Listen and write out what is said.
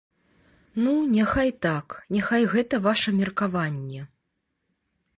Ну, няхай так, няхай гэта ваша меркаванне.